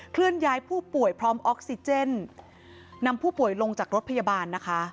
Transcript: เลื่อนย้ายผู้ป่วยพร้อมออกซิเจนนำผู้ป่วยลงจากรถพยาบาลนะคะ